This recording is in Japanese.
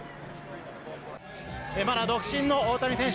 まだ独身の大谷選手